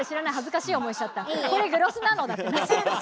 「これグロスなの」だって。